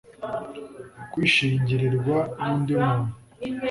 kwishingirwa n’undi muntu